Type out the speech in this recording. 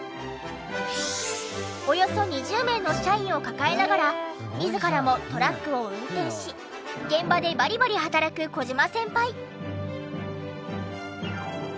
およそ２０名の社員を抱えながら自らもトラックを運転し現場でバリバリ働く小島先輩。